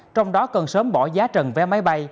trong đó cần sớm bỏ giá trần vé máy bay